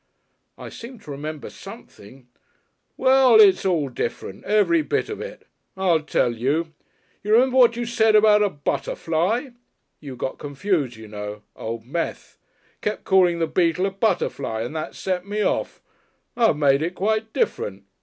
"I seem to remember something " "Well, it's all different. Every bit of it. I'll tell you. You remember what you said about a butterfly? You got confused, you know Old Meth. Kept calling the beetle a butterfly and that set me off. I've made it quite different.